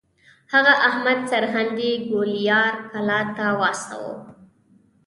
هغه احمد سرهندي ګوالیار کلا ته واستوه.